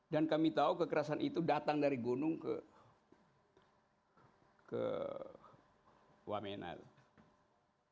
dan kami tahu kekerasan itu datang dari gunung ke wamenah